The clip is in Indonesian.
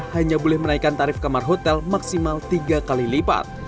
hanya boleh menaikkan tarif kamar hotel maksimal tiga kali lipat